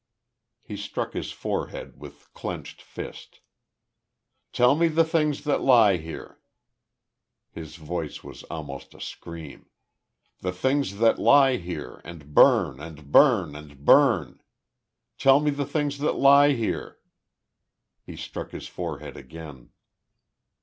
He struck his forehead with clenched fist. "Tell me the things that lie here!" his voice was almost a scream. "The things that lie here, and burn, and burn, and burn! Tell me the things that lie here!" He struck his forehead again.